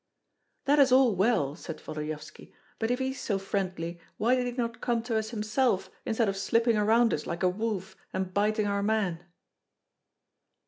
"That is all well," said Volodyovski; "but if he is so friendly, why did he not come to us himself instead of slipping around us like a wolf and biting our men?"